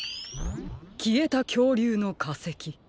きえたきょうりゅうのかせき。